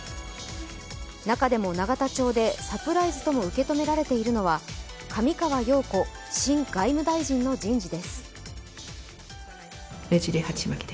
中でも永田町でサプライズとも受け止められているのは上川陽子新外務大臣の人事です。